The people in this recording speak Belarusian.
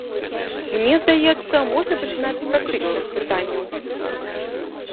Мне здаецца, можна пачынаць з практычных пытанняў.